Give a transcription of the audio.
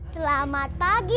selamat pagi om